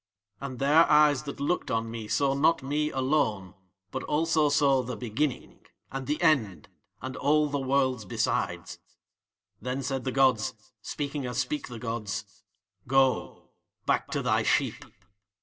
'" "'And Their eyes that looked on me saw not me alone but also saw THE BEGINNING and THE END and all the Worlds besides. Then said the gods, speaking as speak the gods: "Go, back to thy sheep."